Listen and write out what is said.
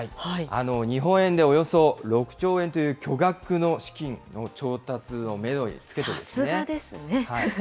日本円でおよそ６兆円という巨額の資金の調達のメドをつけてさすがですね。